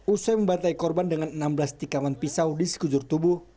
usai membatai korban dengan enam belas tikaman pisau di sekujur tubuh